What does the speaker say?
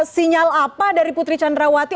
sinyal apa dari putri candrawati